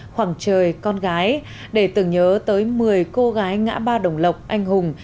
hoàng trời con gái để tưởng nhớ tới một mươi cô gái ngã ba đồng lộc anh hùng